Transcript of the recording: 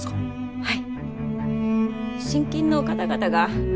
はい。